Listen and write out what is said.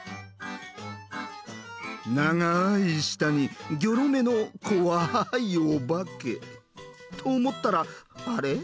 長い舌にギョロ目の怖いお化け。と思ったらあれっ？